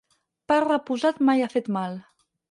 Pa reposat mai ha fet mal.